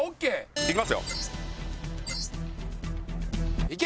いきます。